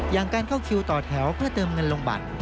อย่างการเข้าคิวต่อแถวเพื่อเติมเงินลงบัตร